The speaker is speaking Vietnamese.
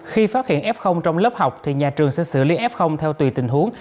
khi phát hiện f trong lớp học thì nhà trường sẽ xử lý f theo tùy tình huống